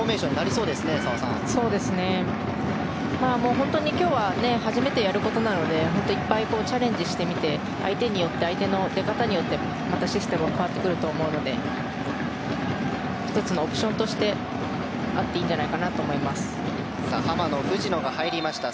そうですね、本当に今日は初めてやることなのでいっぱいチャレンジしてみて相手によって相手の出方によってまたシステムは変わってくると思うので１つのオプションとしてあっていいんじゃないかなと浜野、藤野が入りました。